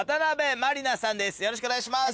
よろしくお願いします。